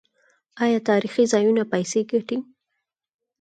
آیا تاریخي ځایونه پیسې ګټي؟